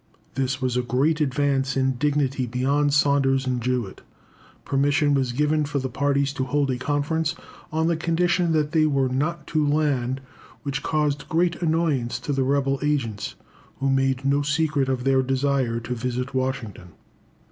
This was a great advance in dignity beyond Saunders and Jewett. Permission was given for the parties to hold a conference on the condition that they were not to land, which caused great annoyance to the rebel agents, who made no secret of their desire to visit Washington.